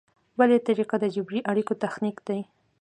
بله طریقه د جبري اړیکو تخنیک دی.